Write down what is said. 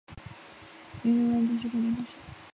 原六安地区重点中学。